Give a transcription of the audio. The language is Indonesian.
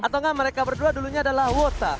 atau enggak mereka berdua dulunya adalah wota